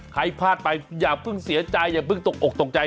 ใครพลาดไปอย่าเพิ่งเสียใจอย่าเพิ่งตกอกตกใจ